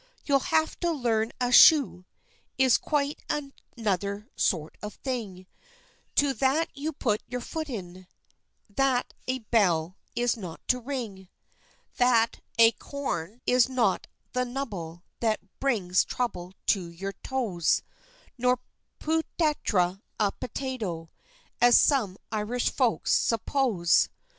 You'll have to learn a chou is quite another sort of thing To that you put your foot in; that a belle is not to ring; That a corne is not the nubble that brings trouble to your toes; Nor peut être a potato, as some Irish folks suppose.